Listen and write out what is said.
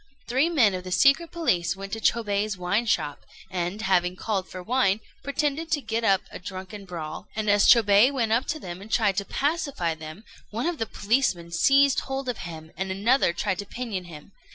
Three men of the secret police went to Chôbei's wine shop, and, having called for wine, pretended to get up a drunken brawl; and as Chôbei went up to them and tried to pacify them, one of the policemen seized hold of him, and another tried to pinion him.